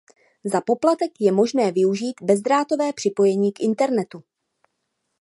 Za poplatek je možné využít bezdrátové připojení k internetu.